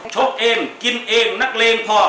ชกเองกินเองนักเลงพอ